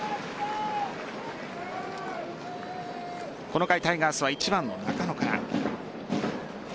この回タイガースは１番の中野から。